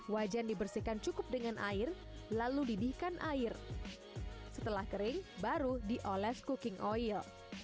wajan dibersihkan cukup dengan air lalu didihkan air setelah kering baru dioles cooking oil